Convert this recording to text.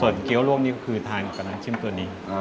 ส่วนเกี้ยวร่วมนี่ก็คือทานกับน้ำจิ้มตัวนี้